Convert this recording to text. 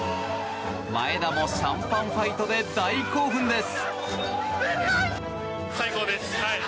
前田もシャンパンファイトで大興奮です。